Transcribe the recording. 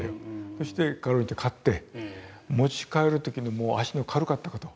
そして画廊行って買って持ち帰る時にもう足の軽かったこと。